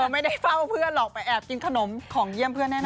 ไม่ได้เฝ้าเพื่อนหรอกไปแอบกินขนมของเยี่ยมเพื่อนแน่น